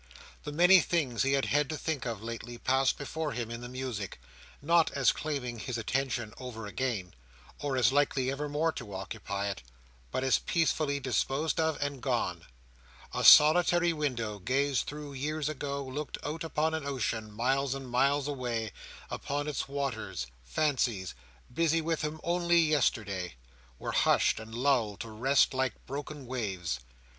The many things he had had to think of lately, passed before him in the music; not as claiming his attention over again, or as likely evermore to occupy it, but as peacefully disposed of and gone. A solitary window, gazed through years ago, looked out upon an ocean, miles and miles away; upon its waters, fancies, busy with him only yesterday, were hushed and lulled to rest like broken waves.